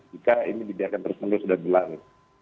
jika ini tidakkan terus menerus dan berlalu